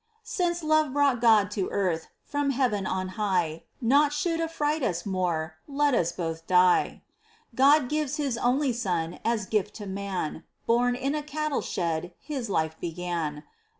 Since love brought God to earth From heaven on high Naught should añright us more : Let us both die ! 44 MINOR WORKS OF ST. TERESA. ') God gives His only Son As gift to man : Born in a cattle shed His life began.